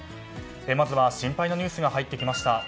まずは心配なニュースが入ってきました。